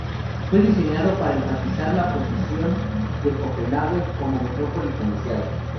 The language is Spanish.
Fue diseñado para enfatizar la posición de Copenhague como metrópoli comercial.